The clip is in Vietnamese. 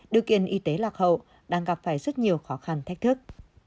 điều kiện y tế lạc hậu đang gặp phải rất nhiều khó khăn thách thức